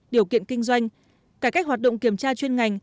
điều kiện kinh doanh cải cách hoạt động kiểm tra chuyên ngành